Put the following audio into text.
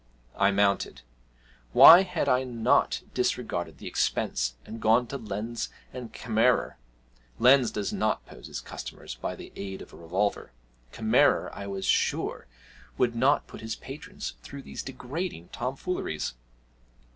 I mounted; why had I not disregarded the expense and gone to Lenz and Kamerer? Lenz does not pose his customers by the aid of a revolver. Kamerer, I was sure, would not put his patrons through these degrading tomfooleries.